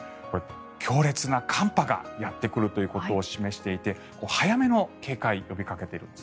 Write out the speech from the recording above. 強烈な寒波がやってくるということを示していて早めの警戒を呼びかけています。